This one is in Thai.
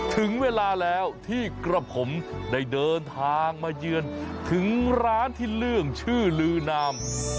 ถึงเวลาแล้วที่กระผมได้เดินทางมาเยือนถึงร้านที่เรื่องชื่อลือนาม